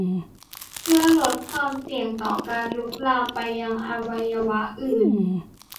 เพื่อลดความเสี่ยงต่อการลุกลามไปยังอวัยวะอื่น